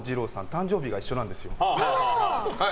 誕生日が一緒なんですよ。